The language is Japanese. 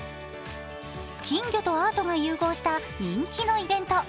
金魚とアートが融合した人気のイベント。